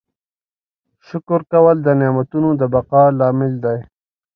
شکر کول د نعمتونو د بقا لامل دی.